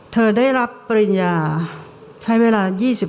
เธอได้รับปริญญาใช้เวลา๒๐